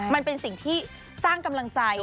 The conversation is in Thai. มันเป็นสิ่งที่สร้างกำลังใจ